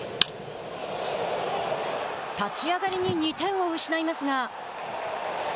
立ち上がりに２点を失いますが。